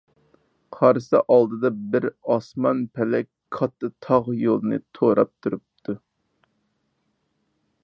قارىسا، ئالدىدا بىر ئاسمان - پەلەك كاتتا تاغ يولىنى توراپ تۇرۇپتۇ.